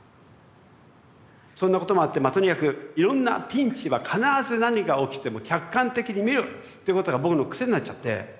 そんなこともあってとにかくいろんなピンチは必ず何が起きても客観的に見るということが僕の癖になっちゃって。